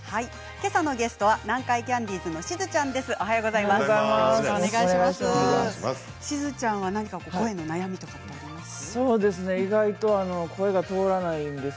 けさのゲストは南海キャンディーズのしずちゃんです。